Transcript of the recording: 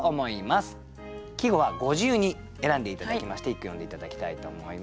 季語はご自由に選んで頂きまして一句詠んで頂きたいと思います。